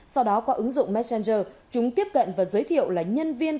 sau đó qua ứng dụng messenger chúng tiếp cận và giới thiệu là nhân viên